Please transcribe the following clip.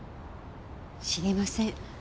知りません。